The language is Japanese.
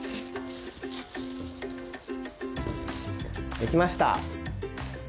できました。